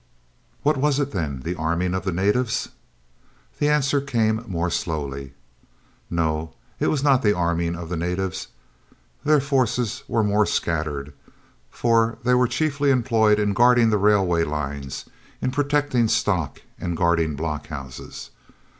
"What was it, then? The arming of the natives?" The answer came more slowly: "No, it was not the arming of the natives. Their forces were more scattered, for they were chiefly employed in guarding the railway lines, in protecting stock and guarding block houses.